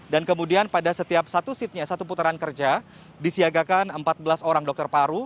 dan kemudian pada setiap satu shiftnya satu putaran kerja disiagakan empat belas orang dokter paru